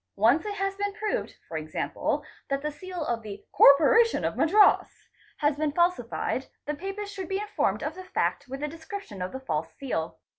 Once it has been proved, e. q., that the seal of the '' Corporation of Madras'' has been falsified, the papers should be informed of the fact with a description of the false seal.